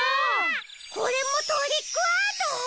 これもトリックアート！？